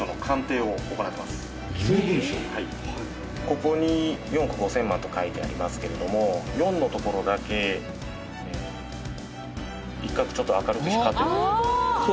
ここに４億５０００万と書いてありますけれども「４」のところだけ１画ちょっと明るく光ってる。